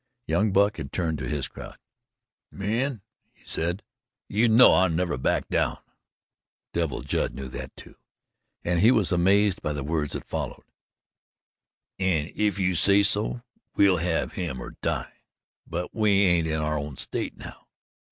Young Buck had turned to his crowd: "Men," he said, "you know I never back down" Devil Judd knew that, too, and he was amazed by the words that followed "an' if you say so, we'll have him or die; but we ain't in our own state now.